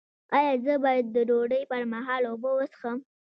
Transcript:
ایا زه باید د ډوډۍ پر مهال اوبه وڅښم؟